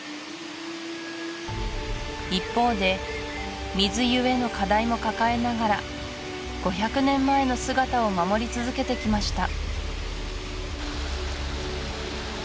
一方で水ゆえの課題も抱えながら５００年前の姿を守り続けてきました